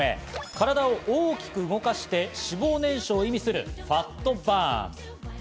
体を大きく動かして、脂肪燃焼を意味するファットバーン。